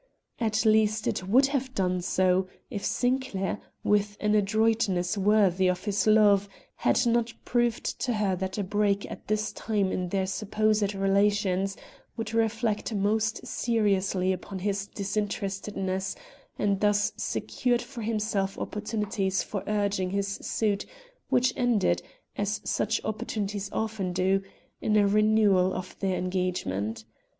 At least, it would have done so, if Sinclair, with an adroitness worthy of his love, had not proved to her that a break at this time in their supposed relations would reflect most seriously upon his disinterestedness and thus secured for himself opportunities for urging his suit which ended, as such opportunities often do, in a renewal of their engagement.